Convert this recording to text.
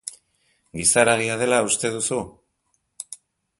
Giza haragia dela uste duzu?